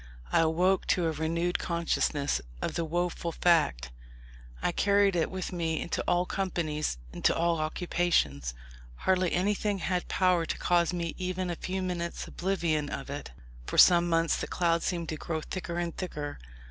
I awoke to a renewed consciousness of the woful fact. I carried it with me into all companies, into all occupations. Hardly anything had power to cause me even a few minutes' oblivion of it. For some months the cloud seemed to grow thicker and thicker.